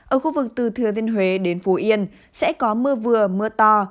ở khu vực từ thừa thiên huế đến phú yên sẽ có mưa vừa mưa to